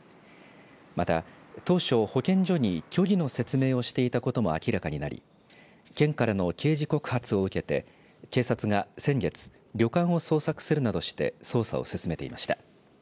また当初、保健所に虚偽の説明をしていたことも明らかになり県からの刑事告発を受けて警察が先月旅館を捜索するなどして捜査を進めていました。